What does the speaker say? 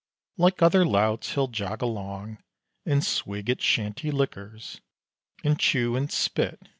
Like other louts, he'll jog along, And swig at shanty liquors, And chew and spit.